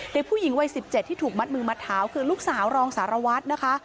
เด็กผู้หญิงวัย๑๗ที่ถูกมัดมือมัดเท้าคือลูกสาวรองสารวัตรนะคะ